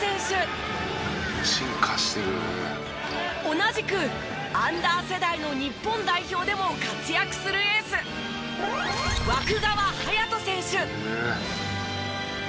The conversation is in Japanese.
同じくアンダー世代の日本代表でも活躍するエース湧川颯斗選手。